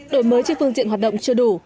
đổi mới trên phương diện hoạt động chưa đủ